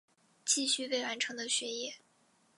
继续未完成的学业